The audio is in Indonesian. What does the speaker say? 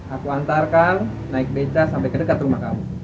aku antarkan naik beca sampai ke dekat rumah kamu